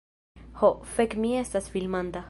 Ho, fek' mi estas filmanta...